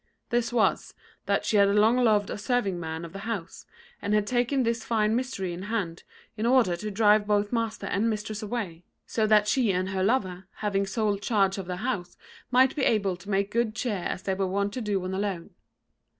This was, that she had long loved a serving man of the house, and had taken this fine mystery in hand in order to drive both master and mistress away, so that she and her lover, having sole charge of the house, might be able to make good cheer as they were wont to do when alone.